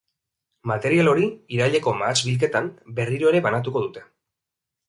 Material hori, iraileko mahats-bilketan, berriro ere banatuko dute.